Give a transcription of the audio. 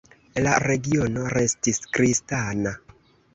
La regiono restis kristana.